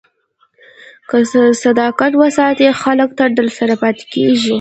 که صداقت وساتې، خلک تل درسره پاتې کېږي.